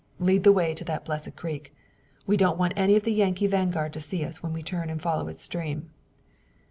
Lead the way to that blessed creek. We don't want any of the Yankee vanguard to see us when we turn and follow its stream."